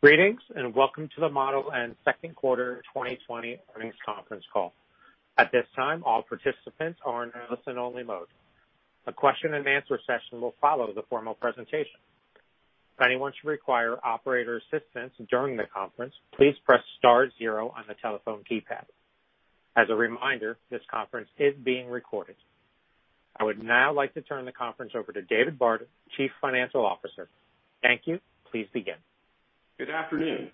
Greetings, welcome to the Model N second quarter 2020 earnings conference call. At this time, all participants are in listen only mode. A question-and-answer session will follow the formal presentation. If anyone should require operator assistance during the conference, please press star zero on the telephone keypad. As a reminder, this conference is being recorded. I would now like to turn the conference over to David Barter, Chief Financial Officer. Thank you. Please begin. Good afternoon.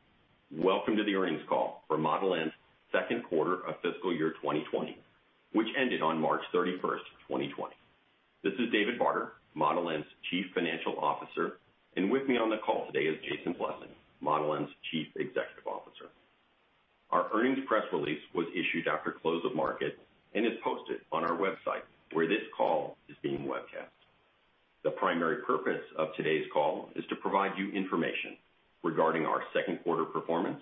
Welcome to the earnings call for Model N's second quarter of fiscal year 2020, which ended on March 31st, 2020. This is David Barter, Model N's Chief Financial Officer, and with me on the call today is Jason Blessing, Model N's Chief Executive Officer. Our earnings press release was issued after close of market and is posted on our website where this call is being webcast. The primary purpose of today's call is to provide you information regarding our second quarter performance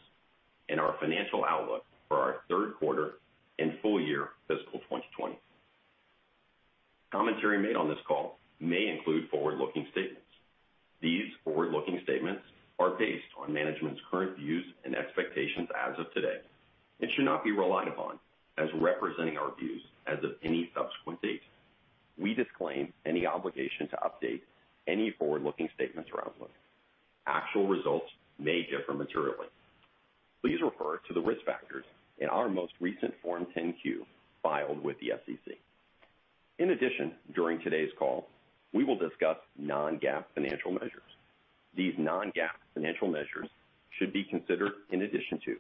and our financial outlook for our third quarter and full year fiscal 2020. Commentary made on this call may include forward-looking statements. These forward-looking statements are based on management's current views and expectations as of today and should not be relied upon as representing our views as of any subsequent date. We disclaim any obligation to update any forward-looking statements or outlook. Actual results may differ materially. Please refer to the risk factors in our most recent Form 10-Q filed with the SEC. In addition, during today's call, we will discuss non-GAAP financial measures. These non-GAAP financial measures should be considered in addition to,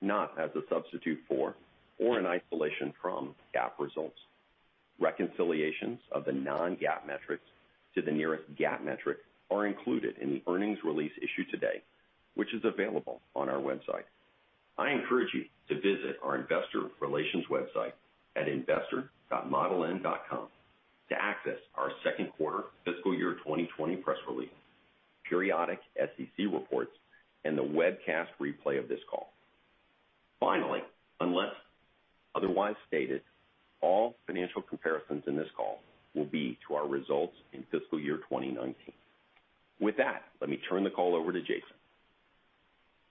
not as a substitute for, or in isolation from GAAP results. Reconciliations of the non-GAAP metrics to the nearest GAAP metric are included in the earnings release issued today, which is available on our website. I encourage you to visit our investor relations website at investor.modeln.com to access our second quarter fiscal year 2020 press release, periodic SEC reports, and the webcast replay of this call. Finally, unless otherwise stated, all financial comparisons in this call will be to our results in fiscal year 2019. With that, let me turn the call over to Jason.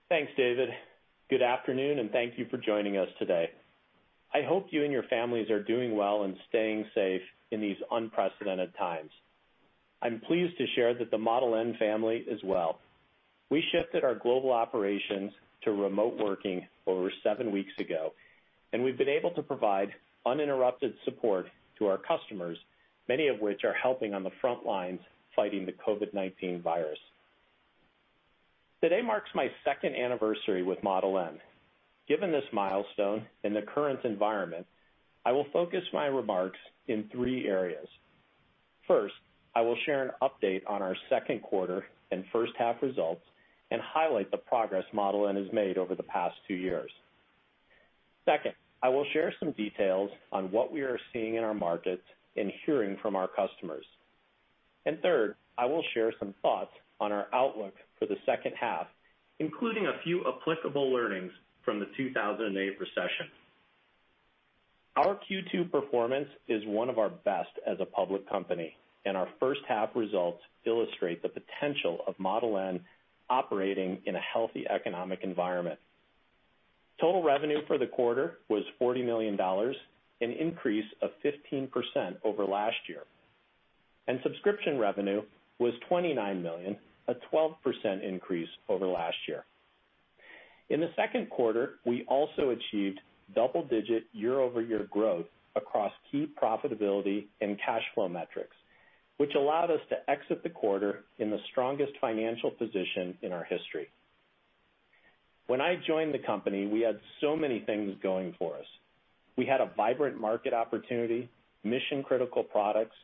Thanks, David. Good afternoon, and thank you for joining us today. I hope you and your families are doing well and staying safe in these unprecedented times. I'm pleased to share that the Model N family is well. We shifted our global operations to remote working over seven weeks ago, and we've been able to provide uninterrupted support to our customers, many of which are helping on the front lines fighting the COVID-19 virus. Today marks my second anniversary with Model N. Given this milestone and the current environment, I will focus my remarks in three areas. First, I will share an update on our second quarter and first half results and highlight the progress Model N has made over the past two years. Second, I will share some details on what we are seeing in our markets and hearing from our customers. Third, I will share some thoughts on our outlook for the second half, including a few applicable learnings from the 2008 recession. Our Q2 performance is one of our best as a public company, and our first half results illustrate the potential of Model N operating in a healthy economic environment. Total revenue for the quarter was $40 million, an increase of 15% over last year. Subscription revenue was $29 million, a 12% increase over last year. In the second quarter, we also achieved double-digit year-over-year growth across key profitability and cash flow metrics, which allowed us to exit the quarter in the strongest financial position in our history. When I joined the company, we had so many things going for us. We had a vibrant market opportunity, mission-critical products,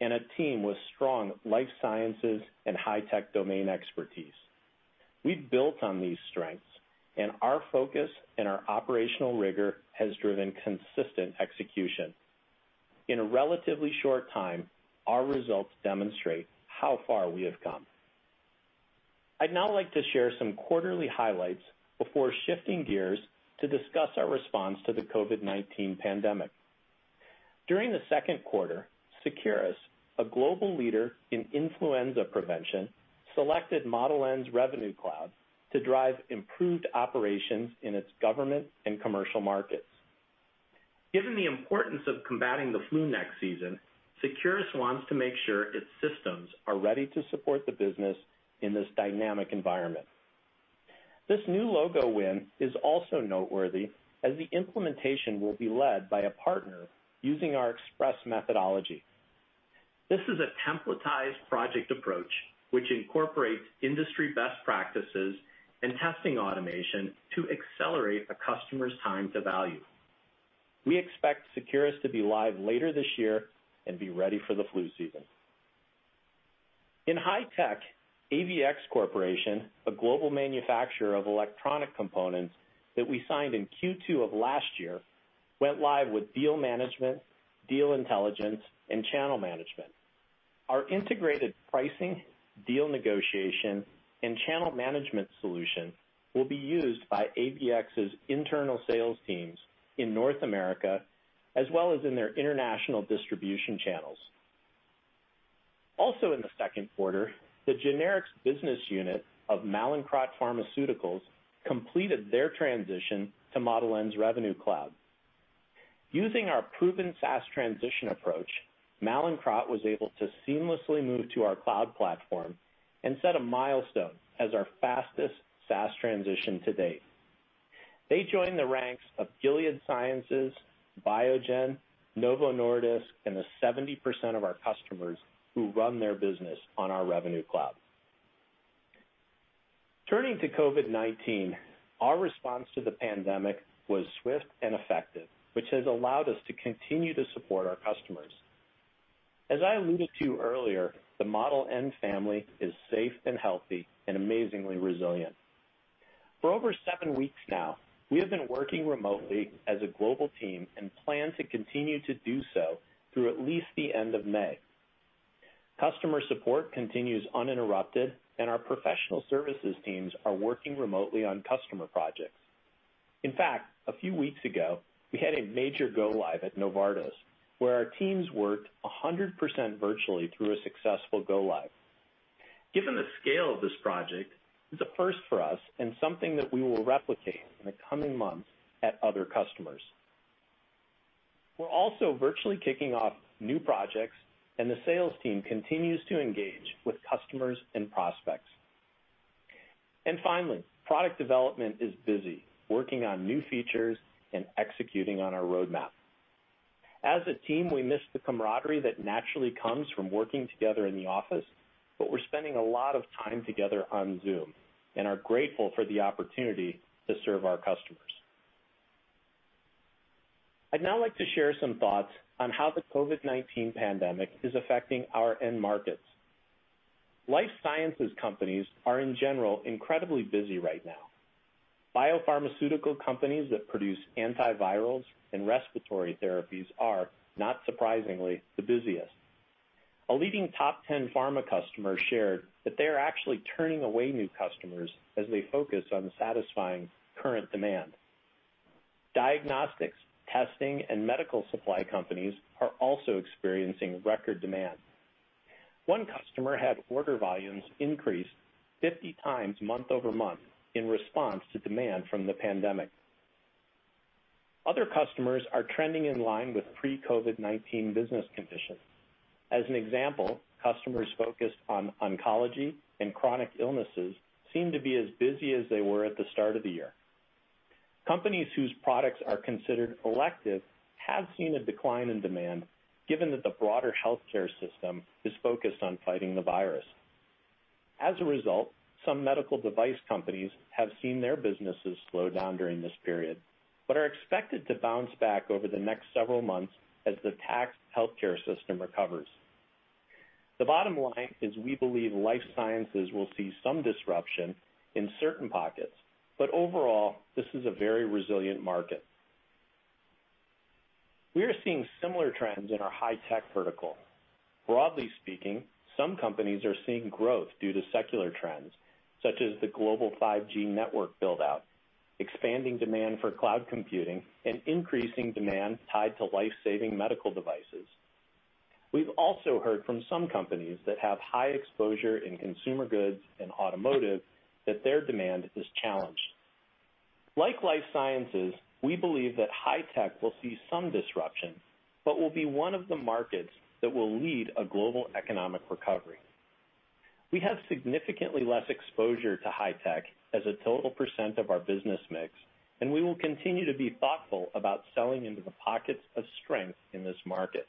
and a team with strong life sciences and high-tech domain expertise. We've built on these strengths, and our focus and our operational rigor has driven consistent execution. In a relatively short time, our results demonstrate how far we have come. I'd now like to share some quarterly highlights before shifting gears to discuss our response to the COVID-19 pandemic. During the second quarter, Seqirus, a global leader in influenza prevention, selected Model N's Revenue Cloud to drive improved operations in its government and commercial markets. Given the importance of combating the flu next season, Seqirus wants to make sure its systems are ready to support the business in this dynamic environment. This new logo win is also noteworthy, as the implementation will be led by a partner using our Express methodology. This is a templatized project approach which incorporates industry best practices and testing automation to accelerate a customer's time to value. We expect Seqirus to be live later this year and be ready for the flu season. In high tech, AVX Corporation, a global manufacturer of electronic components that we signed in Q2 of last year, went live with Deal Management, Deal Intelligence, and Channel Management. Our integrated pricing, deal negotiation, and Channel Management solution will be used by AVX's internal sales teams in North America, as well as in their international distribution channels. Also in the second quarter, the generics business unit of Mallinckrodt Pharmaceuticals completed their transition to Model N's Revenue Cloud. Using our proven SaaS transition approach, Mallinckrodt was able to seamlessly move to our cloud platform and set a milestone as our fastest SaaS transition to date. They join the ranks of Gilead Sciences, Biogen, Novo Nordisk, and the 70% of our customers who run their business on our Revenue Cloud. Turning to COVID-19, our response to the pandemic was swift and effective, which has allowed us to continue to support our customers. As I alluded to earlier, the Model N family is safe and healthy and amazingly resilient. For over seven weeks now, we have been working remotely as a global team and plan to continue to do so through at least the end of May. Customer support continues uninterrupted, and our professional services teams are working remotely on customer projects. In fact, a few weeks ago, we had a major go-live at Novartis, where our teams worked 100% virtually through a successful go-live. Given the scale of this project, it's a first for us, and something that we will replicate in the coming months at other customers. We're also virtually kicking off new projects, and the sales team continues to engage with customers and prospects. Finally, product development is busy working on new features and executing on our roadmap. As a team, we miss the camaraderie that naturally comes from working together in the office, but we're spending a lot of time together on Zoom and are grateful for the opportunity to serve our customers. I'd now like to share some thoughts on how the COVID-19 pandemic is affecting our end markets. Life sciences companies are, in general, incredibly busy right now. Biopharmaceutical companies that produce antivirals and respiratory therapies are, not surprisingly, the busiest. A leading top 10 pharma customer shared that they are actually turning away new customers as they focus on satisfying current demand. Diagnostics, testing, and medical supply companies are also experiencing record demand. One customer had order volumes increase 50 times month-over-month in response to demand from the pandemic. Other customers are trending in line with pre-COVID-19 business conditions. As an example, customers focused on oncology and chronic illnesses seem to be as busy as they were at the start of the year. Companies whose products are considered elective have seen a decline in demand, given that the broader healthcare system is focused on fighting the virus. As a result, some medical device companies have seen their businesses slow down during this period, but are expected to bounce back over the next several months as the taxed healthcare system recovers. The bottom line is we believe life sciences will see some disruption in certain pockets, but overall, this is a very resilient market. We are seeing similar trends in our high-tech vertical. Broadly speaking, some companies are seeing growth due to secular trends, such as the global 5G network build-out, expanding demand for cloud computing, increasing demand tied to life-saving medical devices. We've also heard from some companies that have high exposure in consumer goods and automotive that their demand is challenged. Like life sciences, we believe that high-tech will see some disruption, but will be one of the markets that will lead a global economic recovery. We have significantly less exposure to high-tech as a total percent of our business mix, we will continue to be thoughtful about selling into the pockets of strength in this market.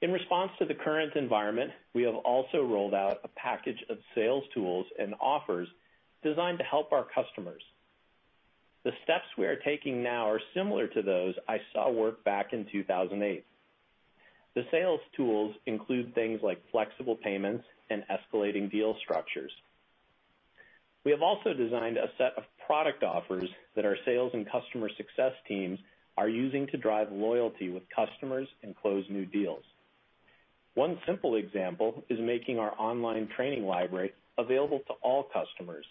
In response to the current environment, we have also rolled out a package of sales tools and offers designed to help our customers. The steps we are taking now are similar to those I saw work back in 2008. The sales tools include things like flexible payments and escalating deal structures. We have also designed a set of product offers that our sales and customer success teams are using to drive loyalty with customers and close new deals. One simple example is making our online training library available to all customers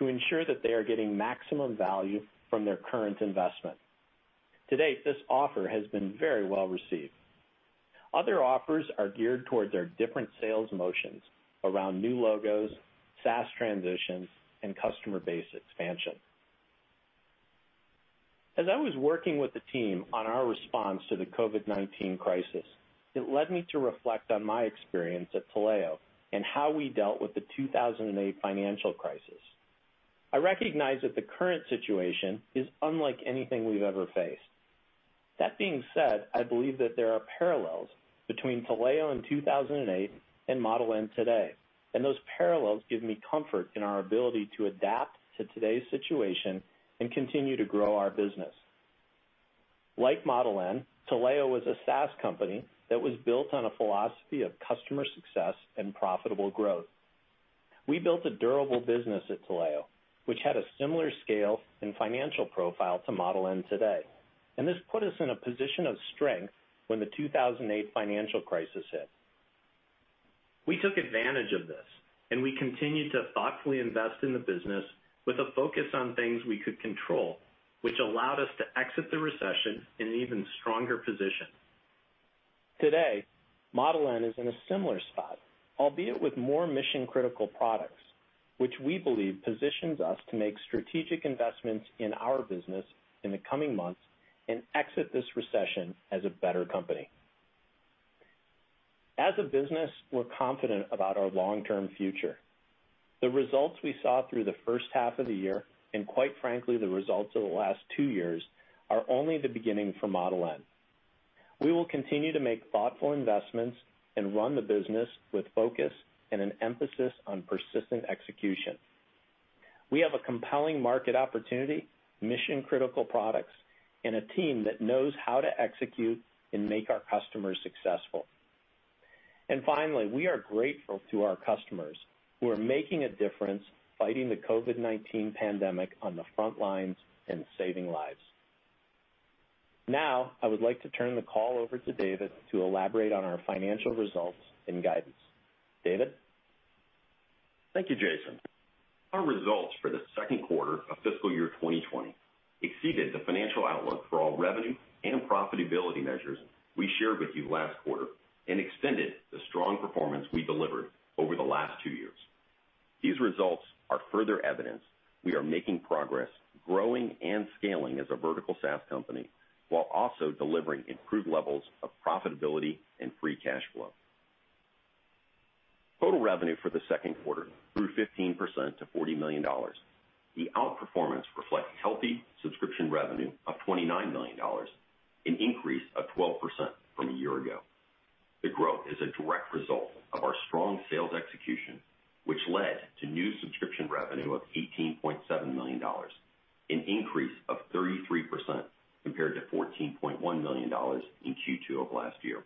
to ensure that they are getting maximum value from their current investment. To date, this offer has been very well received. Other offers are geared towards our different sales motions around new logos, SaaS transitions, and customer base expansion. As I was working with the team on our response to the COVID-19 crisis, it led me to reflect on my experience at Taleo and how we dealt with the 2008 financial crisis. I recognize that the current situation is unlike anything we've ever faced. That being said, I believe that there are parallels between Taleo in 2008 and Model N today, and those parallels give me comfort in our ability to adapt to today's situation and continue to grow our business. Like Model N, Taleo was a SaaS company that was built on a philosophy of customer success and profitable growth. We built a durable business at Taleo, which had a similar scale and financial profile to Model N today, and this put us in a position of strength when the 2008 financial crisis hit. We took advantage of this, and we continued to thoughtfully invest in the business with a focus on things we could control, which allowed us to exit the recession in an even stronger position. Today, Model N is in a similar spot, albeit with more mission-critical products, which we believe positions us to make strategic investments in our business in the coming months and exit this recession as a better company. As a business, we're confident about our long-term future. The results we saw through the first half of the year, and quite frankly, the results of the last two years, are only the beginning for Model N. We will continue to make thoughtful investments and run the business with focus and an emphasis on persistent execution. We have a compelling market opportunity, mission-critical products, and a team that knows how to execute and make our customers successful. Finally, we are grateful to our customers who are making a difference fighting the COVID-19 pandemic on the front lines and saving lives. I would like to turn the call over to David to elaborate on our financial results and guidance. David? Thank you, Jason. Our results for the second quarter of fiscal year 2020 exceeded the financial outlook for all revenue and profitability measures we shared with you last quarter and extended the strong performance we delivered over the last two years. These results are further evidence we are making progress growing and scaling as a vertical SaaS company while also delivering improved levels of profitability and free cash flow. Total revenue for the second quarter grew 15% to $40 million. The outperformance reflects healthy subscription revenue of $29 million, an increase of 12% from a year ago. The growth is a direct result of our strong sales execution, which led to new subscription revenue of $18.7 million, an increase of 33% compared to $14.1 million in Q2 of last year.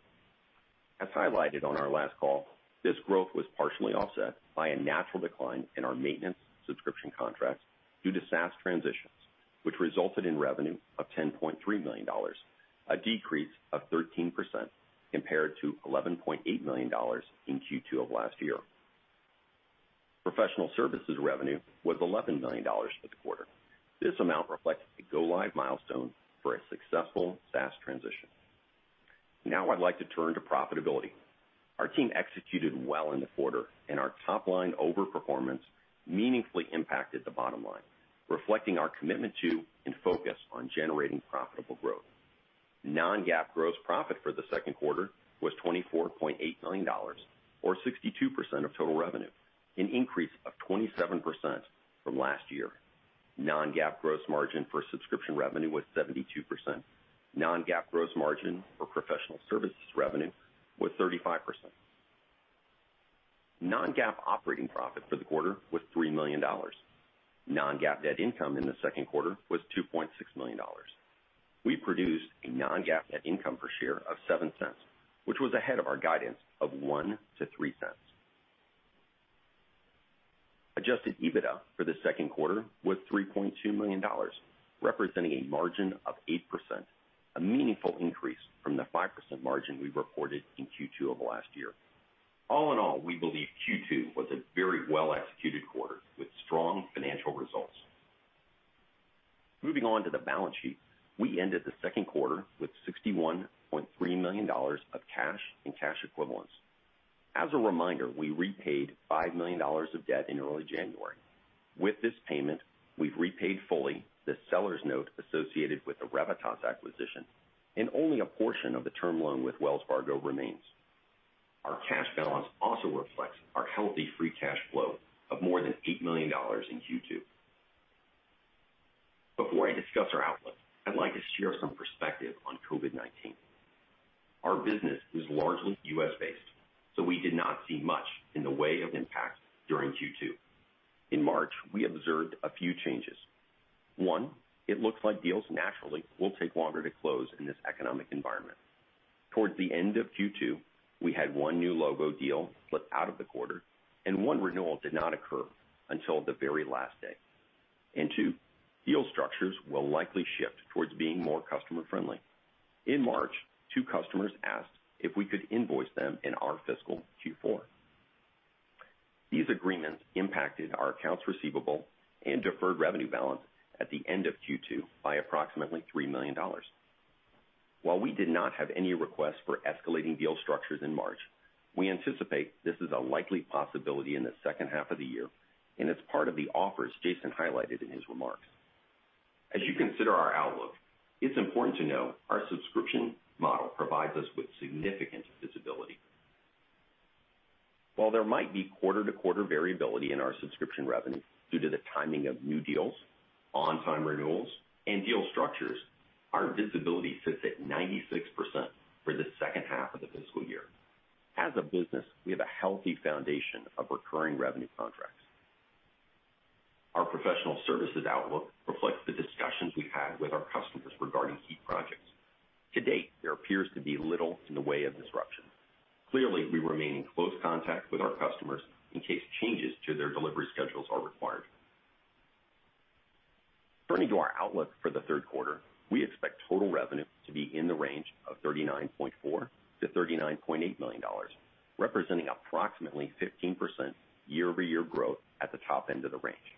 As highlighted on our last call, this growth was partially offset by a natural decline in our maintenance subscription contracts due to SaaS transitions, which resulted in revenue of $10.3 million, a decrease of 13% compared to $11.8 million in Q2 of last year. Professional services revenue was $11 million for the quarter. This amount reflects a go-live milestone for a successful SaaS transition. Now I'd like to turn to profitability. Our team executed well in the quarter, and our top-line overperformance meaningfully impacted the bottom line, reflecting our commitment to and focus on generating profitable growth. Non-GAAP gross profit for the second quarter was $24.8 million, or 62% of total revenue, an increase of 27% from last year. Non-GAAP gross margin for subscription revenue was 72%. Non-GAAP gross margin for professional services revenue was 35%. Non-GAAP operating profit for the quarter was $3 million. Non-GAAP net income in the second quarter was $2.6 million. We produced a non-GAAP net income per share of $0.07, which was ahead of our guidance of $0.01-$0.03. Adjusted EBITDA for the second quarter was $3.2 million, representing a margin of 8%, a meaningful increase from the 5% margin we reported in Q2 of last year. All in all, we believe Q2 was a very well-executed quarter with strong financial results. Moving on to the balance sheet. We ended the second quarter with $61.3 million of cash and cash equivalents. As a reminder, we repaid $5 million of debt in early January. With this payment, we've repaid fully the seller's note associated with the Revitas acquisition, and only a portion of the term loan with Wells Fargo remains. Our cash balance also reflects our healthy free cash flow of more than $8 million in Q2. Before I discuss our outlook, I'd like to share some perspective on COVID-19. Our business is largely U.S.-based, so we did not see much in the way of impact during Q2. In March, we observed a few changes. One, it looks like deals naturally will take longer to close in this economic environment. Towards the end of Q2, we had one new logo deal slip out of the quarter, and one renewal did not occur until the very last day. Two, deal structures will likely shift towards being more customer-friendly. In March, two customers asked if we could invoice them in our fiscal Q4. These agreements impacted our accounts receivable and deferred revenue balance at the end of Q2 by approximately $3 million. While we did not have any requests for escalating deal structures in March, we anticipate this is a likely possibility in the second half of the year and is part of the offers Jason highlighted in his remarks. As you consider our outlook, it's important to know our subscription model provides us with significant visibility. While there might be quarter-to-quarter variability in our subscription revenue due to the timing of new deals, on-time renewals, and deal structures, our visibility sits at 96% for the second half of the fiscal year. As a business, we have a healthy foundation of recurring revenue contracts. Our professional services outlook reflects the discussions we've had with our customers regarding [heat] projects. To date, there appears to be little in the way of disruption. Clearly, we remain in close contact with our customers in case changes to their delivery schedules are required. Turning to our outlook for the third quarter, we expect total revenue to be in the range of $39.4 million-$39.8 million, representing approximately 15% year-over-year growth at the top end of the range.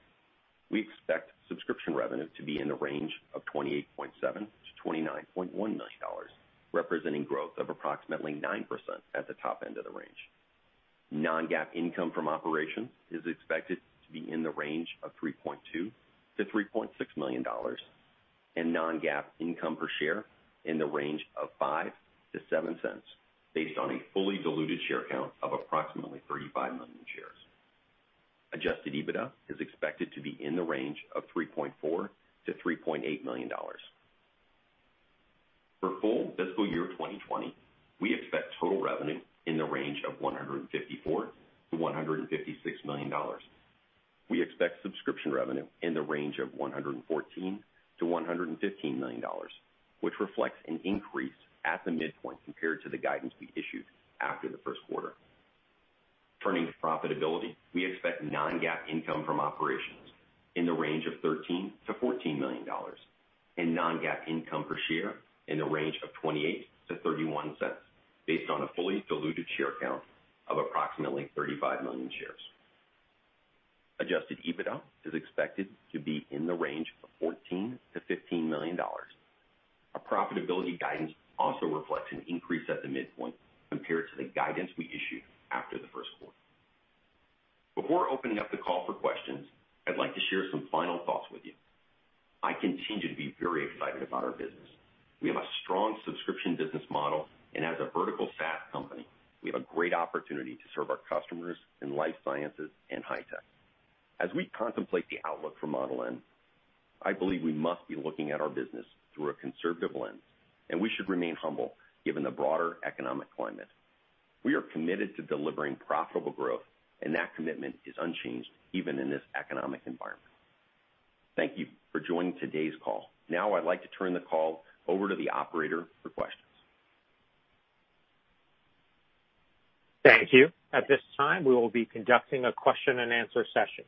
We expect subscription revenue to be in the range of $28.7 million-$29.1 million, representing growth of approximately 9% at the top end of the range. Non-GAAP income from operations is expected to be in the range of $3.2 million-$3.6 million, and non-GAAP income per share in the range of $0.05-$0.07, based on a fully diluted share count of approximately 35 million shares. Adjusted EBITDA is expected to be in the range of $3.4 million-$3.8 million. For full fiscal year 2020, we expect total revenue in the range of $154 million-$156 million. We expect subscription revenue in the range of $114 million-$115 million, which reflects an increase at the midpoint compared to the guidance we issued after the first quarter. Turning to profitability, we expect non-GAAP income from operations in the range of $13 million-$14 million, and non-GAAP income per share in the range of $0.28-$0.31, based on a fully diluted share count of approximately 35 million shares. Adjusted EBITDA is expected to be in the range of $14 million-$15 million. Our profitability guidance also reflects an increase at the midpoint compared to the guidance we issued after the first quarter. Before opening up the call for questions, I'd like to share some final thoughts with you. I continue to be very excited about our business. We have a strong subscription business model, and as a vertical SaaS company, we have a great opportunity to serve our customers in life sciences and high tech. As we contemplate the outlook for Model N, I believe we must be looking at our business through a conservative lens, and we should remain humble given the broader economic climate. We are committed to delivering profitable growth, and that commitment is unchanged even in this economic environment. Thank you for joining today's call. Now I'd like to turn the call over to the operator for questions. Thank you. At this time, we will be conducting a question-and-answer session.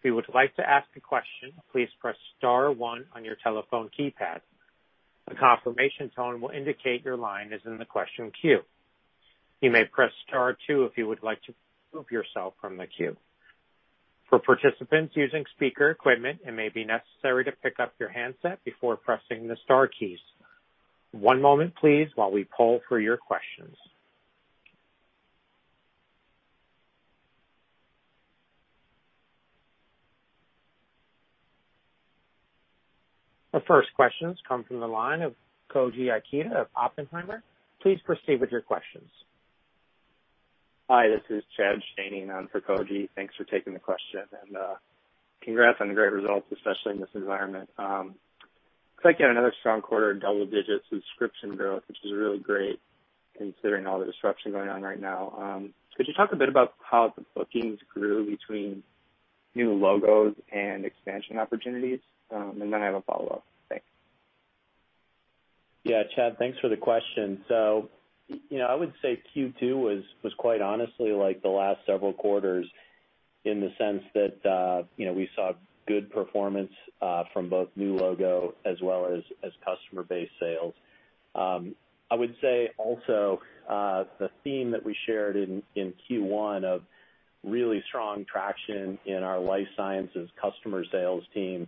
If you would like to ask a question, please press star one on your telephone keypad. A confirmation tone will indicate your line is in the question queue. You may press star two if you would like to remove yourself from the queue. For participants using speaker equipment, it may be necessary to pick up your handset before pressing the star keys. One moment, please, while we poll for your questions. The first question comes from the line of Koji Ikeda of Oppenheimer. Please proceed with your questions. Hi, this is Chad Janey on for Koji. Thanks for taking the question. Congrats on the great results, especially in this environment. Looks like you had another strong quarter of double-digit subscription growth, which is really great considering all the disruption going on right now. Could you talk a bit about how the bookings grew between new logos and expansion opportunities? Then I have a follow-up. Thanks. Yeah, Chad, thanks for the question. I would say Q2 was quite honestly like the last several quarters in the sense that we saw good performance from both new logo as well as customer-based sales. I would say also, the theme that we shared in Q1 of really strong traction in our life sciences customer sales team,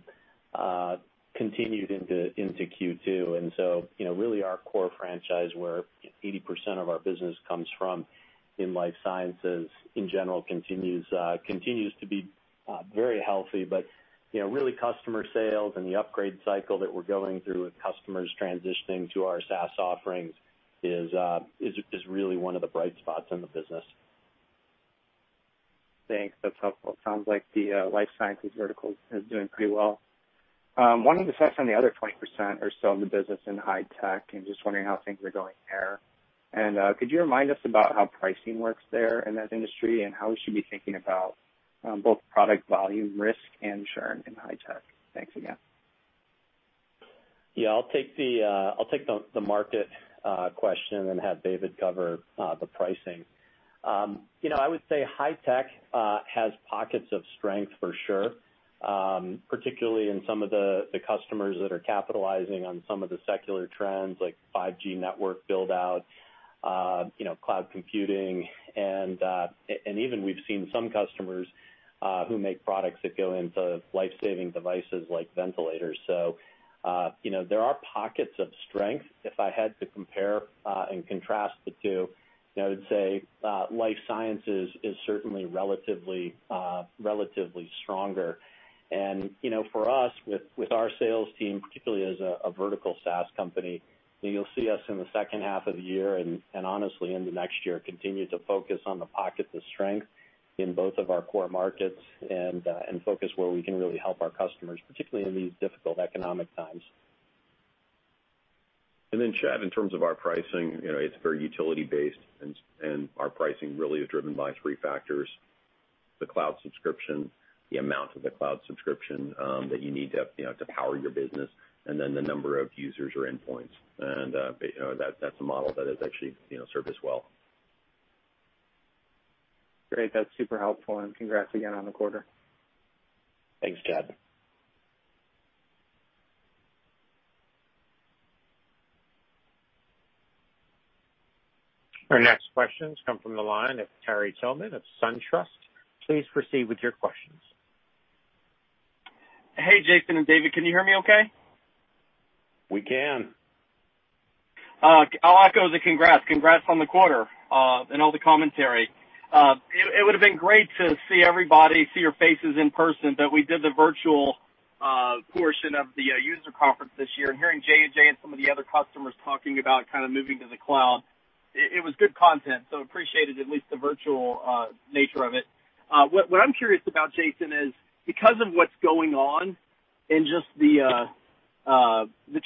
continued into Q2. Really our core franchise, where 80% of our business comes from in life sciences in general, continues to be very healthy. Really customer sales and the upgrade cycle that we're going through with customers transitioning to our SaaS offerings is really one of the bright spots in the business. Thanks. Sounds like the life sciences vertical is doing pretty well. Wanted to touch on the other 20% or so of the business in high tech, and just wondering how things are going there. Could you remind us about how pricing works there in that industry, and how we should be thinking about both product volume risk and churn in high tech? Thanks again. I'll take the market question and have David cover the pricing. I would say high-tech has pockets of strength for sure, particularly in some of the customers that are capitalizing on some of the secular trends like 5G network build-out, cloud computing, and even we've seen some customers who make products that go into life-saving devices like ventilators. There are pockets of strength. If I had to compare and contrast the two, I would say life sciences is certainly relatively stronger. For us, with our sales team, particularly as a vertical SaaS company, you'll see us in the second half of the year and honestly into next year, continue to focus on the pockets of strength in both of our core markets and focus where we can really help our customers, particularly in these difficult economic times. Chad, in terms of our pricing, it's very utility-based, and our pricing really is driven by three factors: the cloud subscription, the amount of the cloud subscription that you need to have to power your business, and then the number of users or endpoints. That's a model that has actually served us well. Great. That's super helpful, and congrats again on the quarter. Thanks, Chad. Our next questions come from the line of Terry Tillman of SunTrust. Please proceed with your questions. Hey, Jason and David, can you hear me okay? We can. I'll echo the congrats. Congrats on the quarter, and all the commentary. It would've been great to see everybody, see your faces in person, but we did the virtual portion of the user conference this year, and hearing J&J and some of the other customers talking about moving to the cloud. It was good content, so appreciated at least the virtual nature of it. What I'm curious about, Jason, is because of what's going on and just the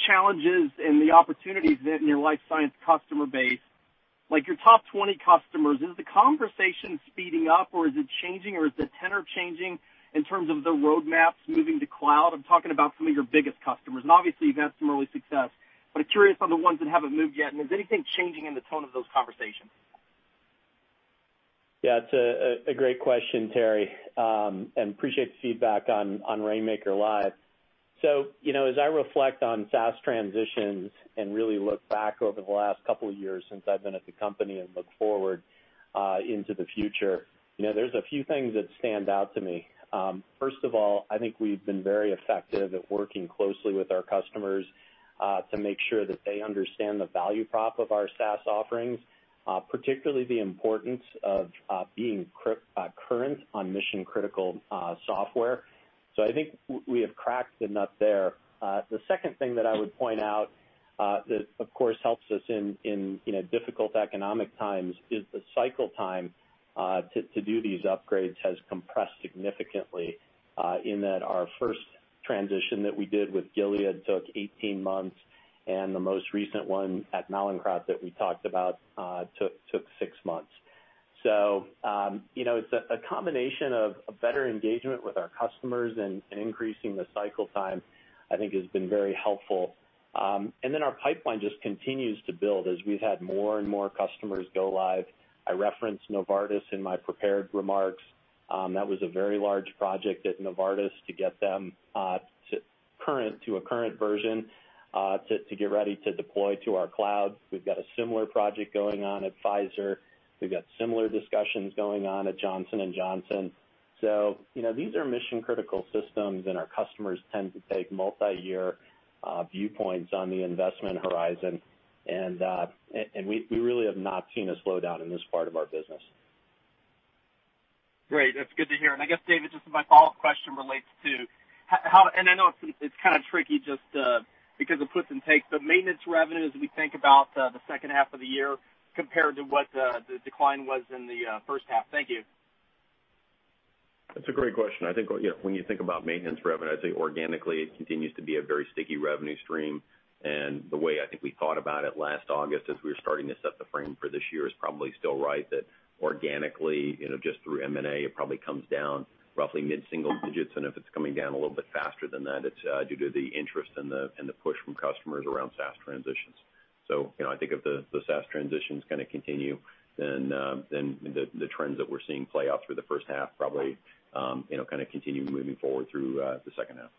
challenges and the opportunities in your life science customer base, like your top 20 customers, is the conversation speeding up or is it changing or is the tenor changing in terms of the roadmaps moving to cloud? I'm talking about some of your biggest customers, and obviously you've had some early success, but I'm curious on the ones that haven't moved yet, and is anything changing in the tone of those conversations? Yeah, it's a great question, Terry, and appreciate the feedback on Rainmaker Live. As I reflect on SaaS transitions and really look back over the last couple of years since I've been at the company and look forward into the future, there's a few things that stand out to me. First of all, I think we've been very effective at working closely with our customers, to make sure that they understand the value prop of our SaaS offerings, particularly the importance of being current on mission-critical software. I think we have cracked the nut there. The second thing that I would point out, that of course helps us in difficult economic times is the cycle time, to do these upgrades has compressed significantly, in that our first transition that we did with Gilead took 18 months, and the most recent one at Mallinckrodt that we talked about, took six months. It's a combination of better engagement with our customers and increasing the cycle time, I think has been very helpful. Our pipeline just continues to build as we've had more and more customers go live. I referenced Novartis in my prepared remarks. That was a very large project at Novartis to get them to a current version, to get ready to deploy to our cloud. We've got a similar project going on at Pfizer. We've got similar discussions going on at Johnson & Johnson. These are mission-critical systems, and our customers tend to take multi-year viewpoints on the investment horizon. We really have not seen a slowdown in this part of our business. Great. That's good to hear. I guess, David, just my follow-up question relates to, and I know it's kind of tricky just because it puts and takes, but maintenance revenue as we think about the second half of the year compared to what the decline was in the first half. Thank you. That's a great question. I think when you think about maintenance revenue, I'd say organically, it continues to be a very sticky revenue stream. The way I think we thought about it last August as we were starting to set the frame for this year is probably still right, that organically, just through M&A, it probably comes down roughly mid-single digits. If it's coming down a little bit faster than that, it's due to the interest and the push from customers around SaaS transitions. I think if the SaaS transitions continue, then the trends that we're seeing play out through the first half probably continue moving forward through the second half.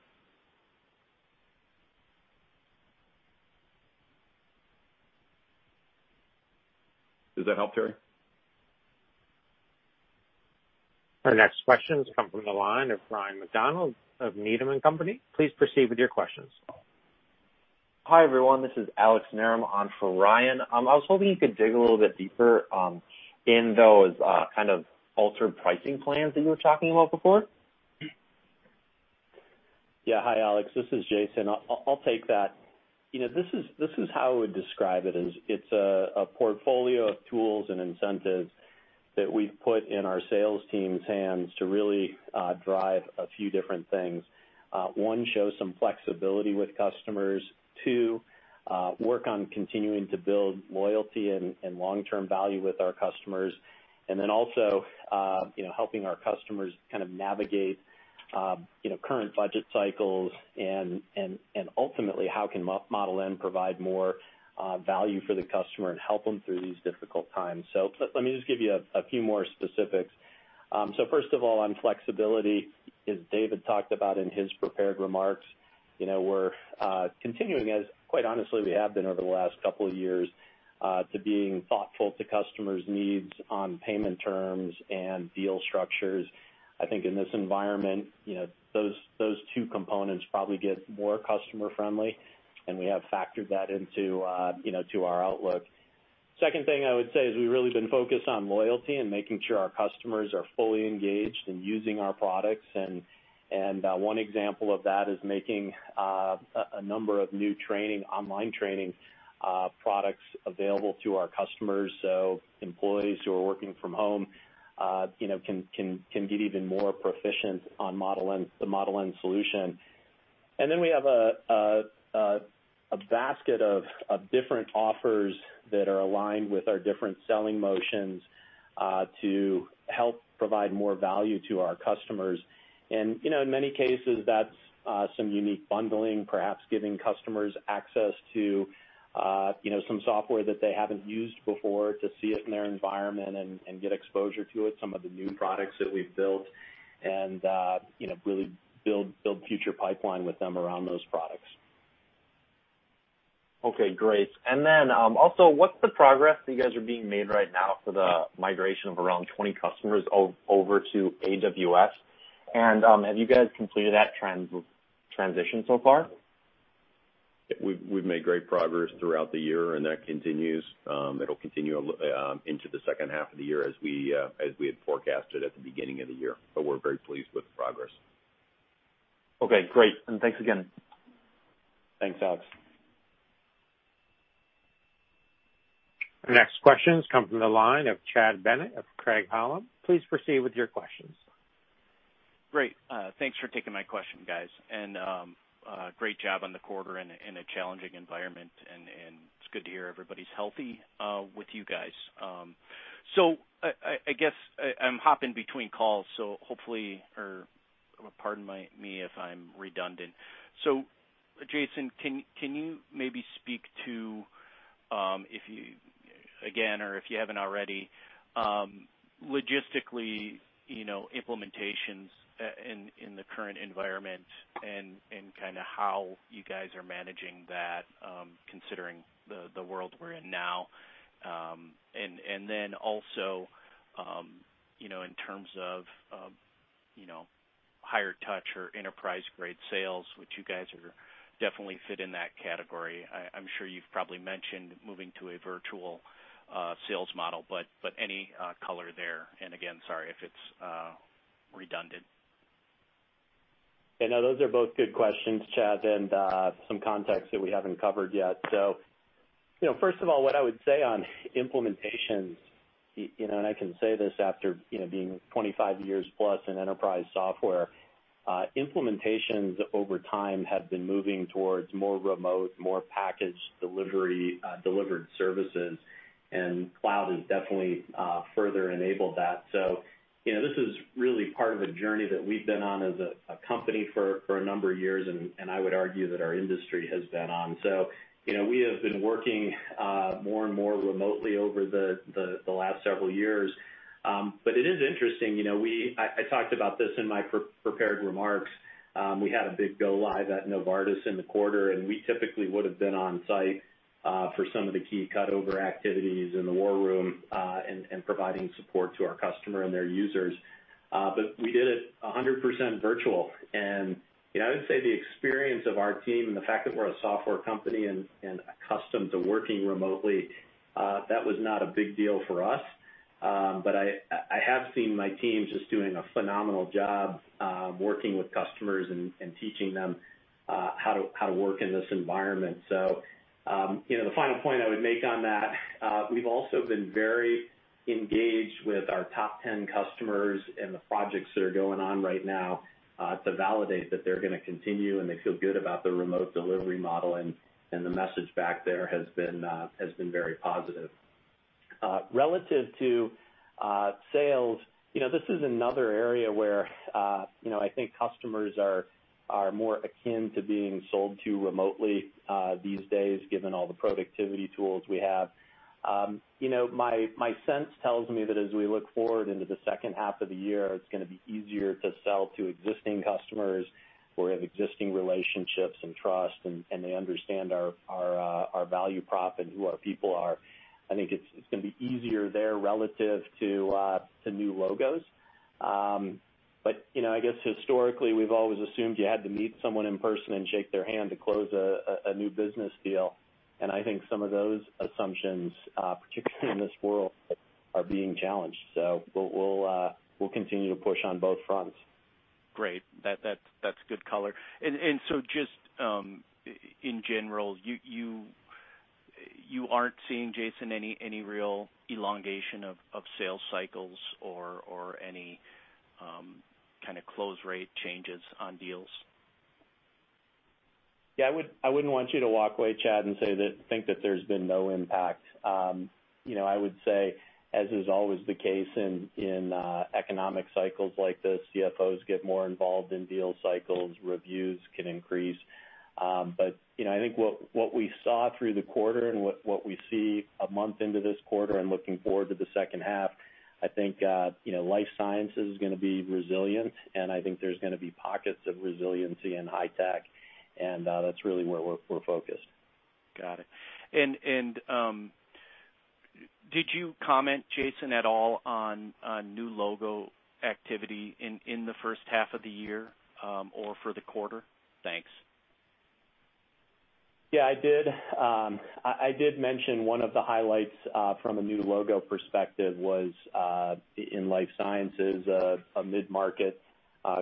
Does that help, Terry? Our next questions come from the line of Ryan MacDonald of Needham and Company. Please proceed with your questions. Hi, everyone. This is Alex Narum on for Ryan. I was hoping you could dig a little bit deeper in those altered pricing plans that you were talking about before. Hi, Alex. This is Jason. I'll take that. This is how I would describe it is, it's a portfolio of tools and incentives that we've put in our sales team's hands to really drive a few different things. One, show some flexibility with customers. Two, work on continuing to build loyalty and long-term value with our customers. Then also, helping our customers navigate current budget cycles and ultimately, how can Model N provide more value for the customer and help them through these difficult times. Let me just give you a few more specifics. First of all, on flexibility, as David talked about in his prepared remarks, we're continuing as, quite honestly, we have been over the last couple of years, to being thoughtful to customers' needs on payment terms and deal structures. I think in this environment, those two components probably get more customer-friendly, and we have factored that into our outlook. Second thing I would say is we've really been focused on loyalty and making sure our customers are fully engaged and using our products. One example of that is making a number of new online training products available to our customers. Employees who are working from home can get even more proficient on the Model N solution. We have a basket of different offers that are aligned with our different selling motions to help provide more value to our customers. In many cases, that's some unique bundling, perhaps giving customers access to some software that they haven't used before to see it in their environment and get exposure to it, some of the new products that we've built, and really build future pipeline with them around those products. Okay, great. Then also, what's the progress that you guys are being made right now for the migration of around 20 customers over to AWS? Have you guys completed that transition so far? We've made great progress throughout the year. That continues. It'll continue into the second half of the year as we had forecasted at the beginning of the year. We're very pleased with the progress. Okay, great. Thanks again. Thanks, Alex. Next questions come from the line of Chad Bennett of Craig-Hallum. Please proceed with your questions. Great. Thanks for taking my question, guys. Great job on the quarter in a challenging environment, it's good to hear everybody's healthy with you guys. I guess I'm hopping between calls, hopefully or pardon me if I'm redundant. Jason, can you maybe speak to, if you, again or if you haven't already, logistically, implementations in the current environment and how you guys are managing that, considering the world we're in now. Also, in terms of higher touch or enterprise-grade sales, which you guys definitely fit in that category. I'm sure you've probably mentioned moving to a virtual sales model, any color there, again, sorry if it's redundant. Yeah, no, those are both good questions, Chad, and some context that we haven't covered yet. First of all, what I would say on implementations, and I can say this after being 25+ years in enterprise software. Implementations over time have been moving towards more remote, more packaged delivered services, and cloud has definitely further enabled that. This is really part of a journey that we've been on as a company for a number of years, and I would argue that our industry has been on. We have been working more and more remotely over the last several years. It is interesting, I talked about this in my prepared remarks. We had a big go-live at Novartis in the quarter, and we typically would've been on site for some of the key cut-over activities in the war room, and providing support to our customer and their users. We did it 100% virtual. I would say the experience of our team and the fact that we're a software company and accustomed to working remotely, that was not a big deal for us. I have seen my teams just doing a phenomenal job working with customers and teaching them how to work in this environment. The final point I would make on that, we've also been very engaged with our top 10 customers and the projects that are going on right now, to validate that they're going to continue, and they feel good about the remote delivery model, and the message back there has been very positive. Relative to sales, this is another area where I think customers are more akin to being sold to remotely these days, given all the productivity tools we have. My sense tells me that as we look forward into the second half of the year, it's going to be easier to sell to existing customers where we have existing relationships and trust, and they understand our value prop and who our people are. I think it's going to be easier there relative to new logos. I guess historically, we've always assumed you had to meet someone in person and shake their hand to close a new business deal, and I think some of those assumptions, particularly in this world, are being challenged. We'll continue to push on both fronts. Great. That's good color. Just in general, you aren't seeing, Jason, any real elongation of sales cycles or any kind of close rate changes on deals? Yeah, I wouldn't want you to walk away, Chad, and think that there's been no impact. I would say, as is always the case in economic cycles like this, CFOs get more involved in deal cycles, reviews can increase. I think what we saw through the quarter and what we see a month into this quarter and looking forward to the second half, I think life sciences is going to be resilient, and I think there's going to be pockets of resiliency in high tech, and that's really where we're focused. Got it. Did you comment, Jason, at all on new logo activity in the first half of the year, or for the quarter? Thanks. Yeah, I did. I did mention one of the highlights from a new logo perspective was in life sciences, a mid-market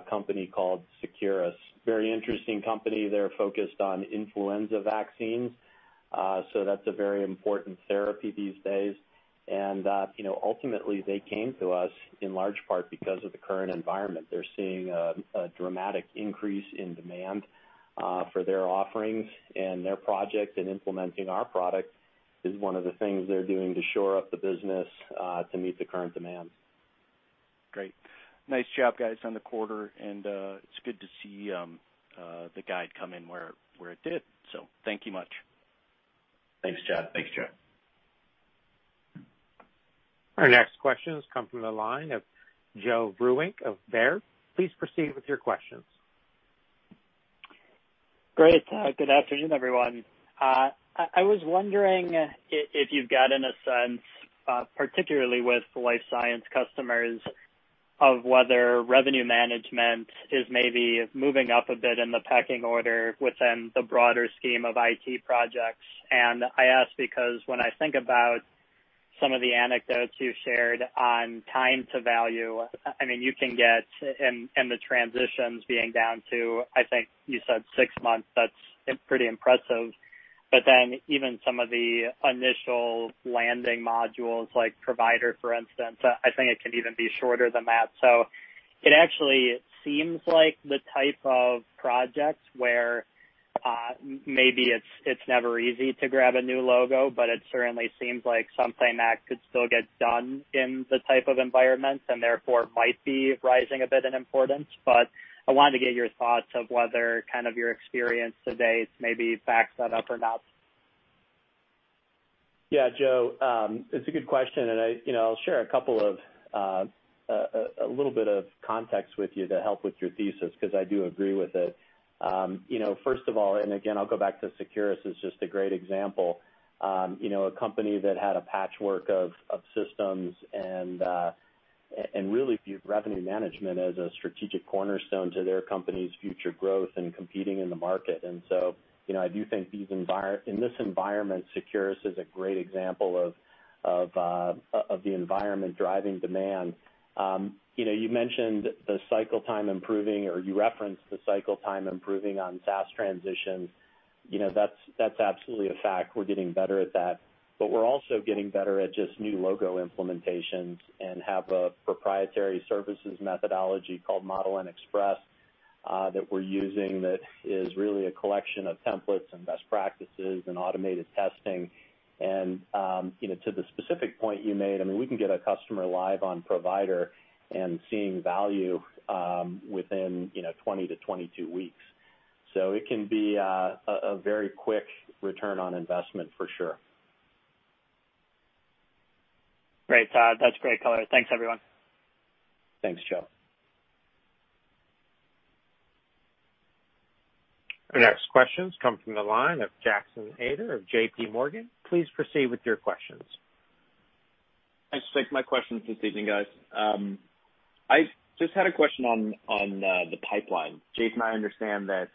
company called Seqirus. Very interesting company. They're focused on influenza vaccines. That's a very important therapy these days. Ultimately, they came to us in large part because of the current environment. They're seeing a dramatic increase in demand for their offerings and their project, and implementing our product is one of the things they're doing to shore up the business to meet the current demand. Great. Nice job, guys, on the quarter, and it's good to see the guide come in where it did. Thank you much. Thanks, Chad. Our next questions come from the line of Joe Vruwink of Baird. Please proceed with your questions. Great. Good afternoon, everyone. I was wondering if you've gotten a sense, particularly with the life science customers, of whether Revenue Management is maybe moving up a bit in the pecking order within the broader scheme of IT projects. I ask because when I think about some of the anecdotes you shared on time to value, you can get, and the transitions being down to, I think you said six months, that's pretty impressive. Even some of the initial landing modules like Provider, for instance, I think it can even be shorter than that. It actually seems like the type of projects where maybe it's never easy to grab a new logo, but it certainly seems like something that could still get done in the type of environments and therefore might be rising a bit in importance. I wanted to get your thoughts of whether your experience to date maybe backs that up or not. Yeah, Joe, it's a good question. I'll share a little bit of context with you to help with your thesis, because I do agree with it. First of all, again, I'll go back to Seqirus as just a great example. A company that had a patchwork of systems and really viewed revenue management as a strategic cornerstone to their company's future growth and competing in the market. I do think in this environment, Seqirus is a great example of the environment driving demand. You mentioned the cycle time improving, or you referenced the cycle time improving on SaaS transitions. That's absolutely a fact. We're getting better at that. We're also getting better at just new logo implementations and have a proprietary services methodology called Model N Express that we're using that is really a collection of templates and best practices and automated testing. To the specific point you made, we can get a customer live on Provider and seeing value within 20-22 weeks. It can be a very quick return on investment for sure. Great. That's great color. Thanks, everyone. Thanks, Joe. Our next questions come from the line of Jackson Ader of JPMorgan. Please proceed with your questions. Thanks for taking my questions this evening, guys. I just had a question on the pipeline. Jason, I understand that,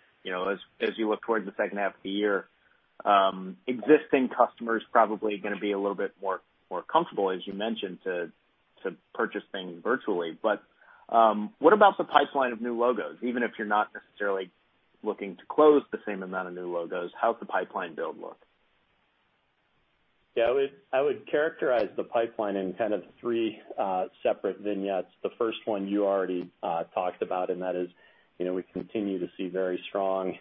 as you look towards the second half of the year, existing customers probably are going to be a little bit more comfortable, as you mentioned, to purchase things virtually. What about the pipeline of new logos? Even if you're not necessarily looking to close the same amount of new logos, how does the pipeline build look? Yeah, I would characterize the pipeline in kind of three separate vignettes. The first one you already talked about. That is, we continue to see very strong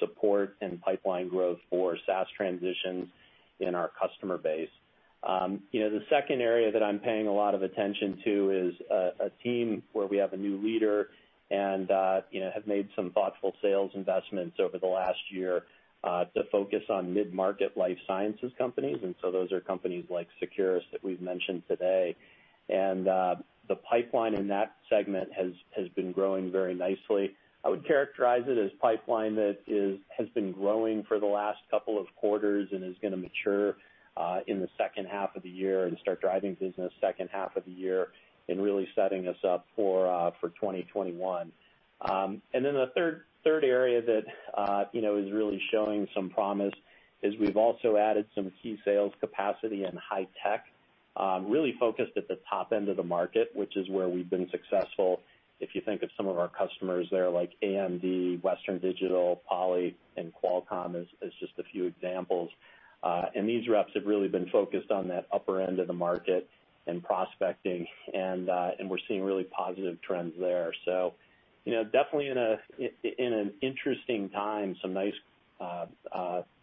support and pipeline growth for SaaS transitions in our customer base. The second area that I'm paying a lot of attention to is a team where we have a new leader and have made some thoughtful sales investments over the last year, to focus on mid-market life sciences companies. Those are companies like Seqirus that we've mentioned today. The pipeline in that segment has been growing very nicely. I would characterize it as a pipeline that has been growing for the last couple of quarters and is going to mature in the second half of the year and start driving business second half of the year and really setting us up for 2021. The third area that is really showing some promise is we've also added some key sales capacity in high-tech, really focused at the top end of the market, which is where we've been successful. If you think of some of our customers there like AMD, Western Digital, Poly, and Qualcomm as just a few examples. These reps have really been focused on that upper end of the market and prospecting, and we're seeing really positive trends there. Definitely in an interesting time, some nice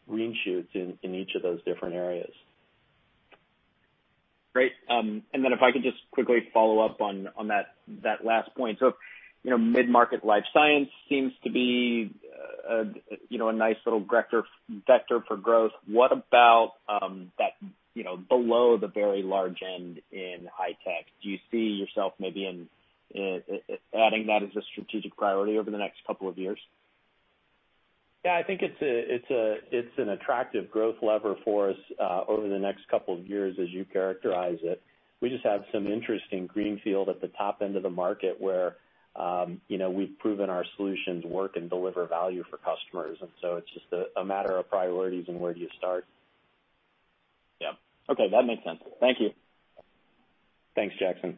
green shoots in each of those different areas. Great. If I could just quickly follow up on that last point. Mid-market life science seems to be a nice little vector for growth. What about below the very large end in high tech? Do you see yourself maybe adding that as a strategic priority over the next couple of years? Yeah, I think it's an attractive growth lever for us, over the next couple of years, as you characterize it. We just have some interesting greenfield at the top end of the market where we've proven our solutions work and deliver value for customers. It's just a matter of priorities and where do you start. Yeah. Okay. That makes sense. Thank you. Thanks, Jackson.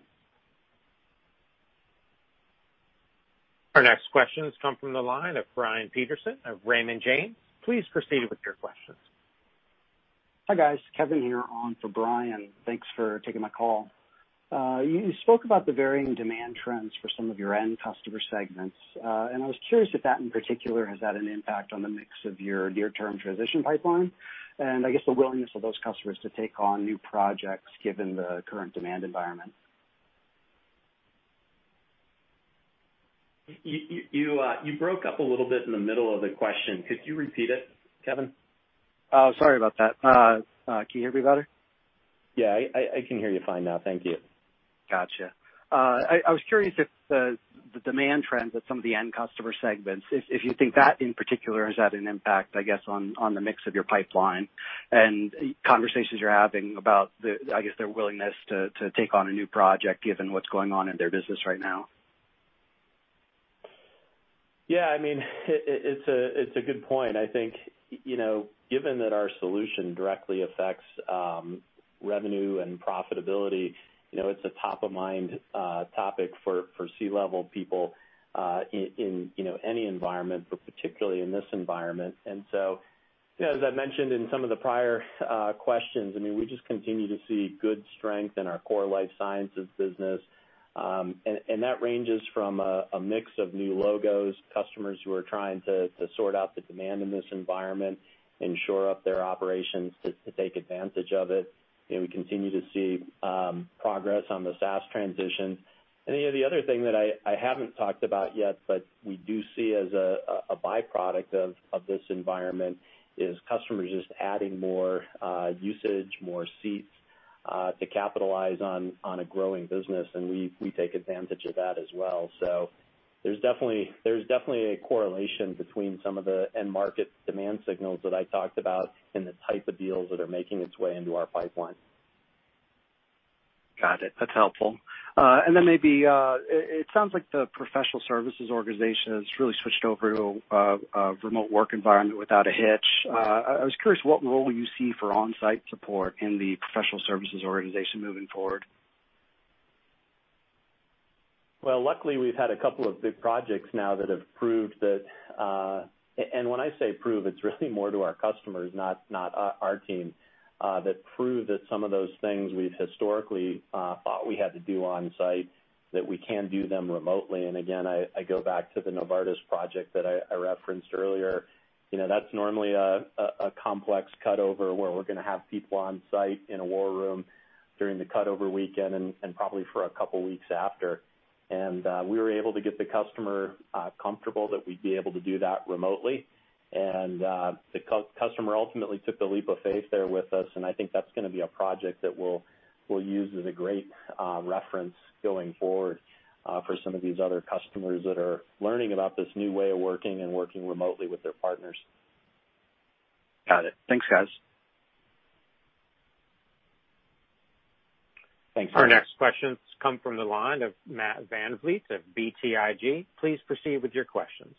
Our next questions come from the line of Brian Peterson of Raymond James. Please proceed with your questions. Hi, guys. Kevin here on for Brian. Thanks for taking my call. You spoke about the varying demand trends for some of your end customer segments. I was curious if that in particular has had an impact on the mix of your near-term transition pipeline, and I guess the willingness of those customers to take on new projects given the current demand environment. You broke up a little bit in the middle of the question. Could you repeat it, Kevin? Oh, sorry about that. Can you hear me better? Yeah. I can hear you fine now. Thank you. Got you. I was curious if the demand trends at some of the end customer segments, if you think that in particular has had an impact, I guess, on the mix of your pipeline and conversations you're having about, I guess, their willingness to take on a new project given what's going on in their business right now? It's a good point. I think, given that our solution directly affects revenue and profitability, it's a top-of-mind topic for C-level people in any environment, but particularly in this environment. As I mentioned in some of the prior questions, we just continue to see good strength in our core life sciences business. That ranges from a mix of new logos, customers who are trying to sort out the demand in this environment and shore up their operations to take advantage of it. We continue to see progress on the SaaS transition. The other thing that I haven't talked about yet, but we do see as a byproduct of this environment, is customers just adding more usage, more seats, to capitalize on a growing business, and we take advantage of that as well. There's definitely a correlation between some of the end market demand signals that I talked about and the type of deals that are making its way into our pipeline. Got it. That's helpful. Maybe, it sounds like the professional services organization has really switched over to a remote work environment without a hitch. I was curious what role you see for on-site support in the professional services organization moving forward? Well, luckily, we've had a couple of big projects now that have proved that, when I say prove, it's really more to our customers, not our team, that prove that some of those things we've historically thought we had to do on-site, that we can do them remotely. Again, I go back to the Novartis project that I referenced earlier. That's normally a complex cut-over where we're going to have people on-site in a war room during the cut-over weekend and probably for a couple of weeks after. We were able to get the customer comfortable that we'd be able to do that remotely. The customer ultimately took the leap of faith there with us, and I think that's going to be a project that we'll use as a great reference going forward for some of these other customers that are learning about this new way of working and working remotely with their partners. Got it. Thanks, guys. Thanks. Our next questions come from the line of Matt VanVliet of BTIG. Please proceed with your questions.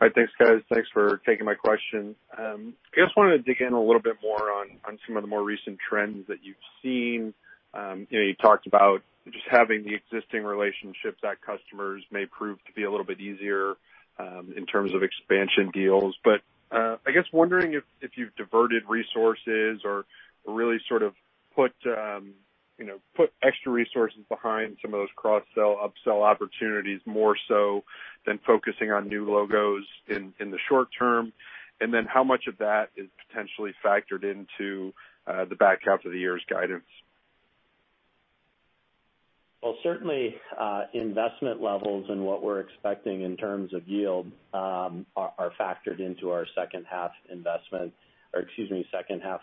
All right. Thanks, guys. Thanks for taking my question. I just wanted to dig in a little bit more on some of the more recent trends that you've seen. You talked about just having the existing relationships that customers may prove to be a little bit easier in terms of expansion deals. I guess wondering if you've diverted resources or really sort of put extra resources behind some of those cross-sell, up-sell opportunities, more so than focusing on new logos in the short term, and then how much of that is potentially factored into the back half of the year's guidance? Well, certainly, investment levels and what we're expecting in terms of yield are factored into our second half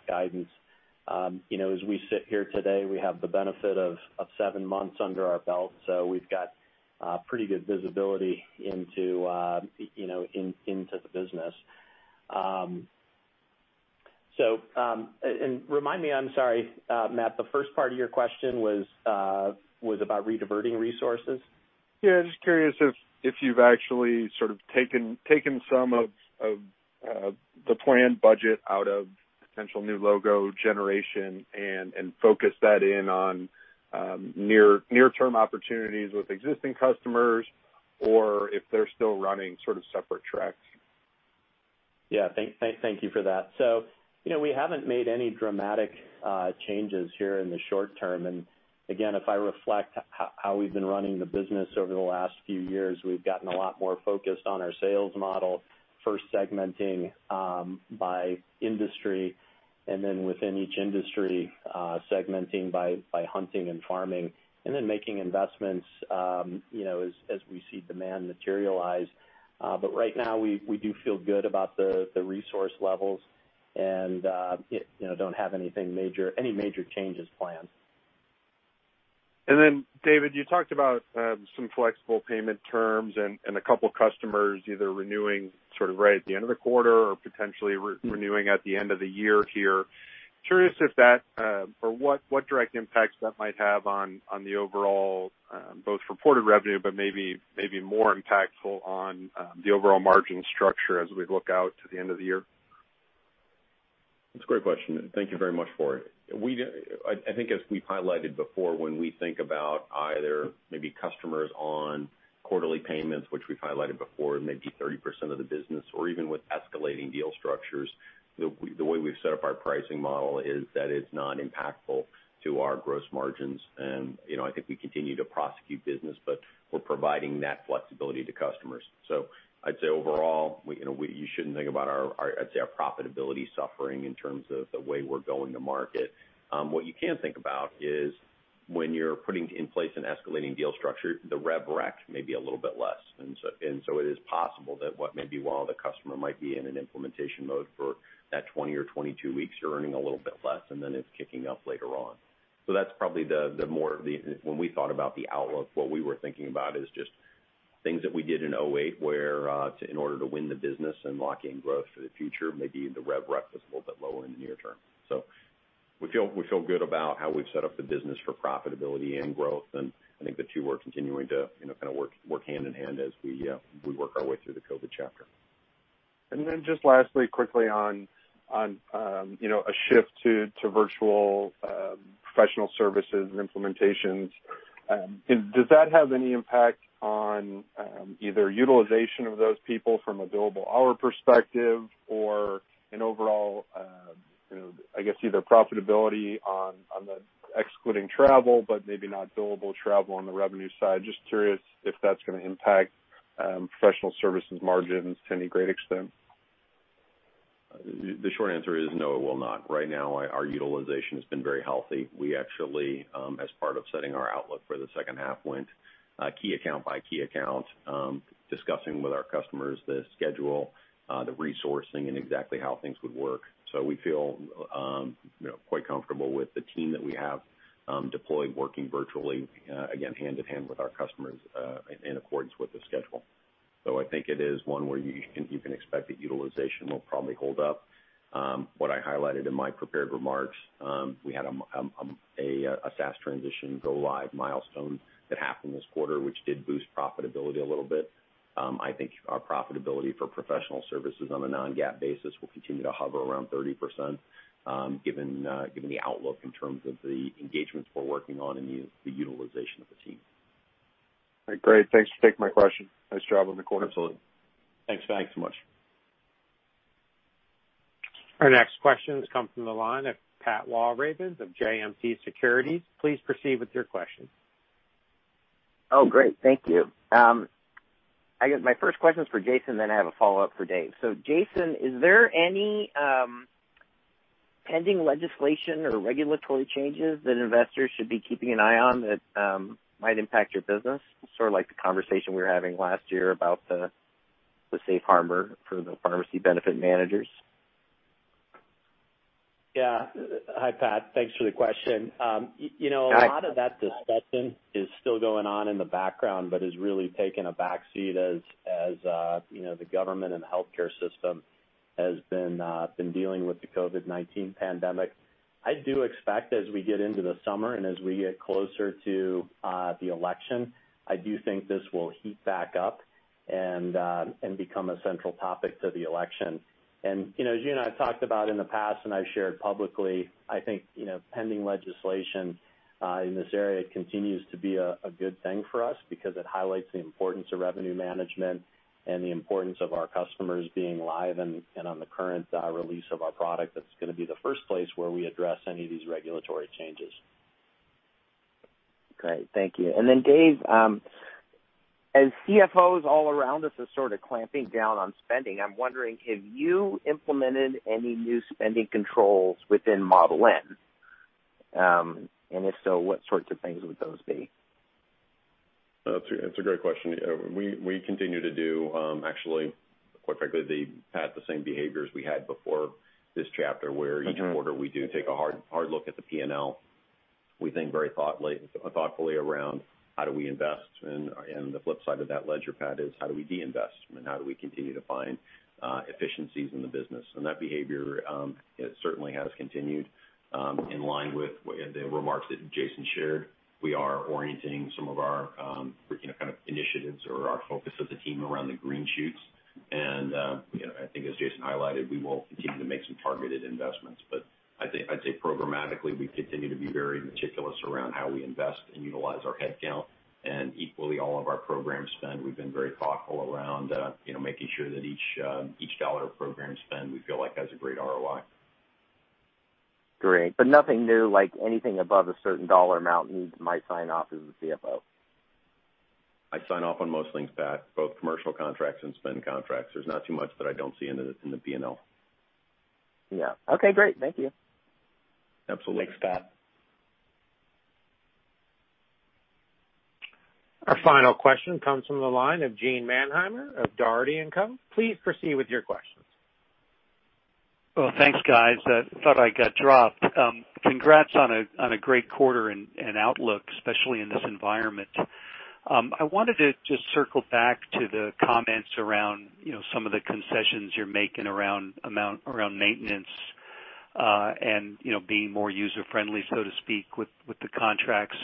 guidance. As we sit here today, we have the benefit of seven months under our belt. We've got pretty good visibility into the business. Remind me, I'm sorry, Matt, the first part of your question was about rediverting resources? Yeah. Just curious if you've actually sort of taken some of the planned budget out of potential new logo generation and focused that in on near-term opportunities with existing customers, or if they're still running sort of separate tracks? Yeah. Thank you for that. We haven't made any dramatic changes here in the short term. If I reflect how we've been running the business over the last few years, we've gotten a lot more focused on our sales model, first segmenting by industry, and then within each industry, segmenting by hunting and farming, and then making investments as we see demand materialize. We do feel good about the resource levels and don't have any major changes planned. David, you talked about some flexible payment terms and a couple of customers either renewing sort of right at the end of the quarter or potentially renewing at the end of the year here. Curious if that or what direct impacts that might have on the overall, both reported revenue, but maybe more impactful on the overall margin structure as we look out to the end of the year? That's a great question. Thank you very much for it. I think as we've highlighted before, when we think about either maybe customers on quarterly payments, which we've highlighted before may be 30% of the business, or even with escalating deal structures, the way we've set up our pricing model is that it's non-impactful to our gross margins. I think we continue to prosecute business, but we're providing that flexibility to customers. I'd say overall, you shouldn't think about our, I'd say, our profitability suffering in terms of the way we're going to market. What you can think about is, when you're putting in place an escalating deal structure, the rev rec may be a little bit less. It is possible that while the customer might be in an implementation mode for that 20 or 22 weeks, you're earning a little bit less, and then it's kicking up later on. That's probably, when we thought about the outlook, what we were thinking about is just things that we did in 2008, where, in order to win the business and lock in growth for the future, maybe the rev rec was a little bit lower in the near term. We feel good about how we've set up the business for profitability and growth, and I think the two are continuing to kind of work hand in hand as we work our way through the COVID chapter. Then just lastly, quickly on a shift to virtual professional services and implementations. Does that have any impact on either utilization of those people from a billable hour perspective or an overall, I guess, either profitability on the excluding travel, but maybe not billable travel on the revenue side? Just curious if that's going to impact professional services margins to any great extent. The short answer is no, it will not. Right now, our utilization has been very healthy. We actually, as part of setting our outlook for the second half, went key account by key account, discussing with our customers the schedule, the resourcing, and exactly how things would work. We feel quite comfortable with the team that we have deployed, working virtually, again, hand in hand with our customers in accordance with the schedule. I think it is one where you can expect that utilization will probably hold up. What I highlighted in my prepared remarks, we had a SaaS transition go-live milestone that happened this quarter, which did boost profitability a little bit. I think our profitability for professional services on a non-GAAP basis will continue to hover around 30%, given the outlook in terms of the engagements we're working on and the utilization of the team. All right, great. Thanks for taking my question. Nice job on the quarter. Absolutely. Thanks so much. Our next question comes from the line of Pat Walravens of JMP Securities. Please proceed with your question. Oh, great. Thank you. I guess my first question is for Jason, then I have a follow-up for Dave. Jason, is there any pending legislation or regulatory changes that investors should be keeping an eye on that might impact your business? Sort of like the conversation we were having last year about the safe harbor for the pharmacy benefit managers. Yeah. Hi, Pat. Thanks for the question. A lot of that discussion is still going on in the background, but has really taken a backseat as the government and the healthcare system has been dealing with the COVID-19 pandemic. I do expect as we get into the summer and as we get closer to the election, I do think this will heat back up and become a central topic to the election. As you and I have talked about in the past and I've shared publicly, I think pending legislation in this area continues to be a good thing for us because it highlights the importance of revenue management and the importance of our customers being live and on the current release of our product. That's going to be the first place where we address any of these regulatory changes. Great. Thank you. Dave, as CFOs all around us are sort of clamping down on spending, I'm wondering, have you implemented any new spending controls within Model N? If so, what sorts of things would those be? That's a great question. We continue to do, actually, quite frankly, Pat, the same behavior as we had before this chapter, where each quarter we do take a hard look at the P&L. We think very thoughtfully around how we invest and the flip side of that ledger, Pat, is how do we de-invest and how do we continue to find efficiencies in the business. That behavior certainly has continued in line with the remarks that Jason shared. We are orienting some of our initiatives or our focus as a team around the green shoots. I think as Jason highlighted, we will continue to make some targeted investments. I'd say programmatically, we continue to be very meticulous around how we invest and utilize our headcount, and equally all of our program spend. We've been very thoughtful around making sure that each dollar of program spend we feel like has a great ROI. Great. Nothing new, like anything above a certain dollar amount you might sign off as the CFO? I sign off on most things, Pat, both commercial contracts and spend contracts. There's not too much that I don't see in the P&L. Yeah. Okay, great. Thank you. Absolutely. Thanks, Pat. Our final question comes from the line of Gene Mannheimer of Dougherty & Company. Please proceed with your questions. Well, thanks, guys. I thought I got dropped. Congrats on a great quarter and outlook, especially in this environment. I wanted to just circle back to the comments around some of the concessions you're making around maintenance, and being more user-friendly, so to speak, with the contracts.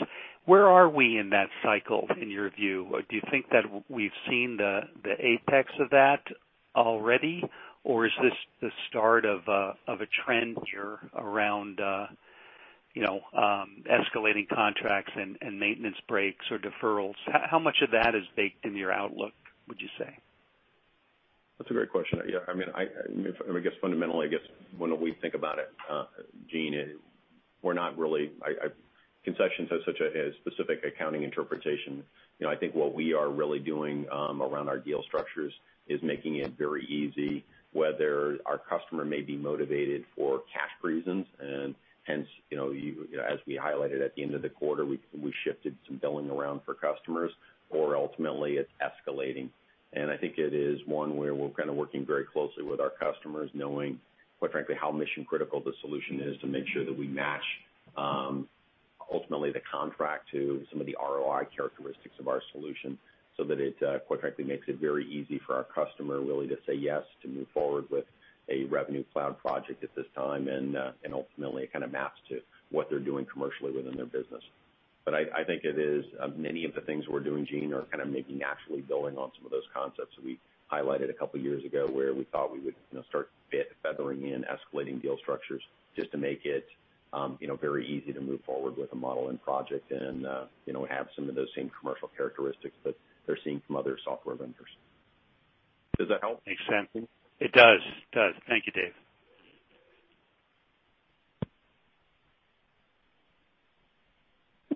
Where are we in that cycle, in your view? Do you think that we've seen the apex of that already, or is this the start of a trend here around escalating contracts and maintenance breaks or deferrals? How much of that is baked into your outlook, would you say? That's a great question. Fundamentally, I guess when we think about it, Gene, concessions has such a specific accounting interpretation. I think what we are really doing around our deal structures is making it very easy, whether our customer may be motivated for cash reasons, hence, as we highlighted at the end of the quarter, we shifted some billing around for customers, or ultimately it's escalating. I think it is one where we're kind of working very closely with our customers, knowing, quite frankly, how mission-critical the solution is to make sure that we match, ultimately, the contract to some of the ROI characteristics of our solution so that it, quite frankly, makes it very easy for our customer, really, to say yes to move forward with a Revenue Cloud project at this time, and ultimately, it kind of maps to what they're doing commercially within their business. I think it is, many of the things we're doing, Gene, are kind of maybe naturally building on some of those concepts that we highlighted a couple of years ago, where we thought we would start feathering in escalating deal structures just to make it very easy to move forward with a Model N project and have some of those same commercial characteristics that they're seeing from other software vendors. Does that help? Makes sense. It does. Thank you, Dave.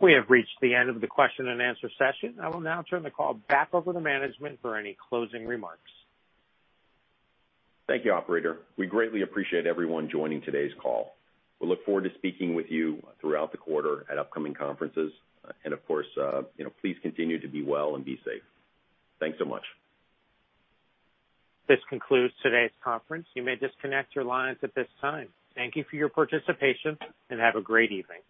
We have reached the end of the question-and-answer session. I will now turn the call back over to management for any closing remarks. Thank you, operator. We greatly appreciate everyone joining today's call. We look forward to speaking with you throughout the quarter at upcoming conferences. Of course, please continue to be well and be safe. Thanks so much. This concludes today's conference. You may disconnect your lines at this time. Thank you for your participation. Have a great evening.